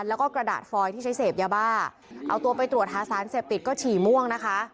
แล้วก็กระดาษฟอยที่ใช้เสพยาบ้าเอาตัวไปตรวจหาสารเสพติดก็ฉี่ม่วงนะคะ